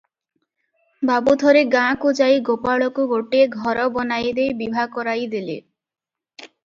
ବାବୁ ଥରେ ଗାଁ କୁ ଯାଇ ଗୋପାଳକୁ ଗୋଟିଏ ଘର ବନାଈ ଦେଇ ବିଭା କରାଇ ଦେଲେ ।